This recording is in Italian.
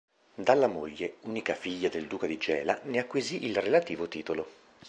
Dalla moglie, unica figlia del Duca di Gela, ne acquisì il relativo titolo.